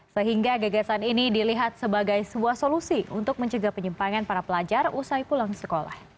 sehingga gagasan ini dilihat sebagai sebuah solusi untuk mencegah penyimpangan para pelajar usai pulang sekolah